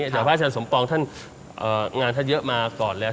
แต่พระอาจารย์สมปองท่านงานท่านเยอะมาก่อนแล้ว